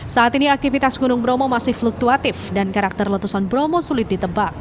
saat ini aktivitas gunung bromo masih fluktuatif dan karakter letusan bromo sulit ditebak